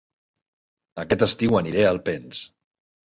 Aquest estiu aniré a Alpens